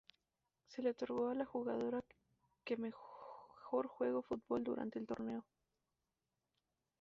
Se le otorgó a la jugadora que mejor jugo fútbol durante el torneo.